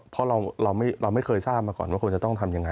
เพราะเราไม่เคยทราบมาก่อนว่าควรจะต้องทำยังไง